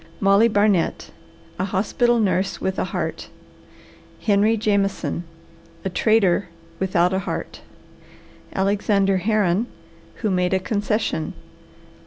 MOLLY BARNET, A Hospital Nurse with a Heart. HENRY JAMESON, A Trader Without a Heart. ALEXANDER HERRON, Who Made a Concession.